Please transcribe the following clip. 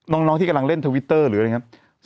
น้องที่กำลังเล่นทวิตเตอร์หรืออะไรอย่างนี้